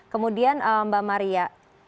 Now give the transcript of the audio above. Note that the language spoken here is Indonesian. kemudian mbak maria